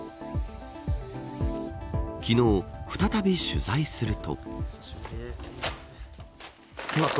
昨日、再び取材すると。